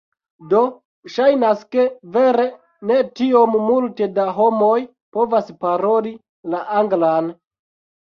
Do ŝajnas ke, vere ne tiom multe da homoj povas paroli la Anglan.